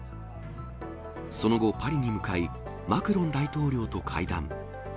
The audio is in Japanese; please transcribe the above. その後、パリに向かい、マクロン大統領と会談。